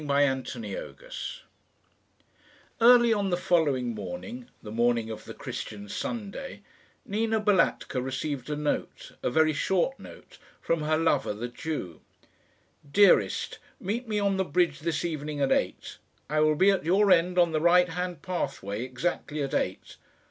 CHAPTER VIII Early on the following morning the morning of the Christian Sunday Nina Balatka received a note, a very short note, from her lover the Jew. "Dearest, meet me on the bridge this evening at eight. I will be at your end on the right hand pathway exactly at eight.